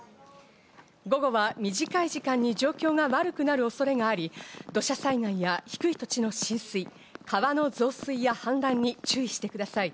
午後は短い時間に状況が悪くなる恐れがあり、土砂災害や低い土地の浸水、川の増水や氾濫に注意してください。